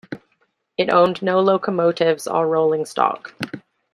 It owned no locomotives or rolling stock.